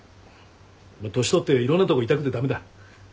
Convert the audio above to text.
年取っていろんなとこ痛くて駄目だ。